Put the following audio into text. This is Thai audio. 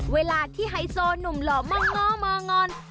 เวลาที่ไฮโซหนุ่มหล่อมาง้ององอน